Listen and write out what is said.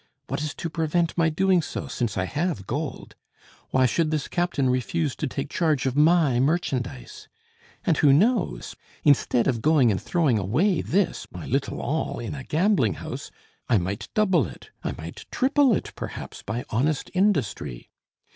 What is to prevent my doing so, since I have gold? Why should this captain refuse to take charge of my merchandise? And who knows? Instead of going and throwing away this my little all in a gambling house, I might double it, I might triple it, perhaps, by honest industry.